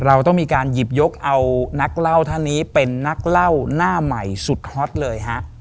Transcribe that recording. เราต้องมีการหยิบยกเอานักเล่าท่านนี้เป็นนักเล่าหน้าใหม่สุดฮอตเลยฮะ